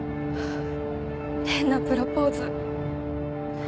変なプロポーズ